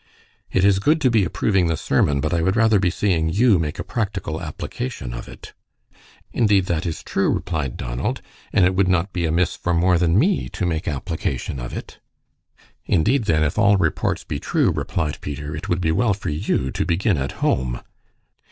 "It is good to be approving the sermon, but I would rather be seeing you make a practical application of it." "Indeed, that is true," replied Donald, "and it would not be amiss for more than me to make application of it." "Indeed, then, if all reports be true," replied Peter, "it would be well for you to begin at home."